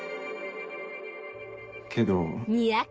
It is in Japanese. けど。